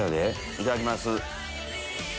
いただきます。